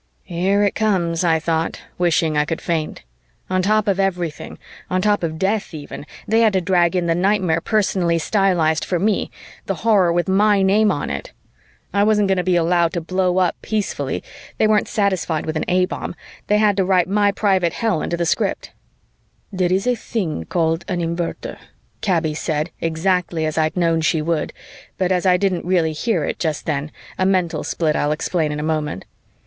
"Here it comes," I thought, wishing I could faint. On top of everything, on top of death even, they had to drag in the nightmare personally stylized for me, the horror with my name on it. I wasn't going to be allowed to blow up peacefully. They weren't satisfied with an A bomb. They had to write my private hell into the script. "There is a thing called an Invertor," Kaby said exactly as I'd known she would, but as I didn't really hear it just then a mental split I'll explain in a moment.